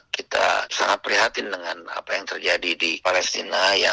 kita sangat prihatin dengan apa yang terjadi di palestina